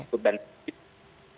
serta dan sisa